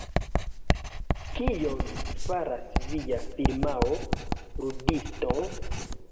Kion faras via firmao, Ludisto?